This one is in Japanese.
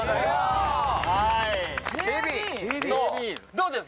どうです？